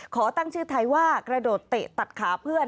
ขอตั้งชื่อไทยว่ากระโดดเตะตัดขาเพื่อน